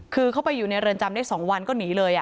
คือเข้าไปอยู่ในเรือนจำได้๒วันก็หนีเลย